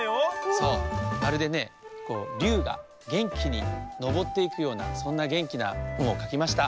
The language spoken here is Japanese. そうまるでねりゅうがげんきにのぼっていくようなそんなげんきな「ん」をかきました。